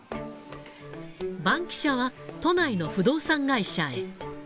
バンキシャは、都内の不動産会社へ。